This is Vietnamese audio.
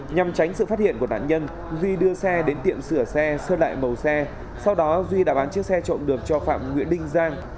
nhằm tránh sự phát hiện của nạn nhân duy đưa xe đến tiệm sửa xe sơ lại màu xe sau đó duy đã bán chiếc xe trộm được cho phạm nguyễn đinh giang